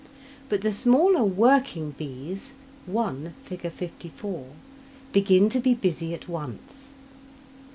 But the smaller working bees (1, Fig. 54) begin to be busy at once.